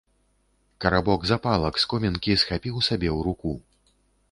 Карабок запалак з комінкі схапіў сабе ў руку.